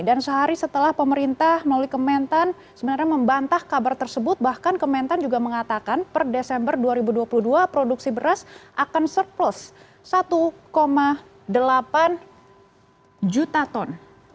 dan sehari setelah pemerintah melalui kementan sebenarnya membantah kabar tersebut bahkan kementan juga mengatakan per desember dua ribu dua puluh dua produksi beras akan surplus satu delapan juta ton